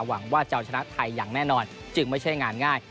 หวังว่าจะเอาชนะไทยอย่างแน่นอนจึงไม่ใช่งานง่าย